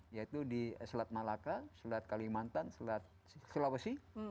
yaitu di selat malaka selat kalimantan sulawesi